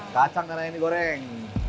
kacang tanah ini goreng